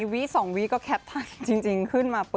วี้ก็แคปภาพเท่าไหร่จริงขึ้นมาเปิด